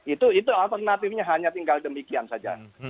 itu alternatifnya hanya tinggal demikian saja